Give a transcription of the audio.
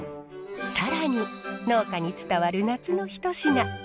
更に農家に伝わる夏の一品。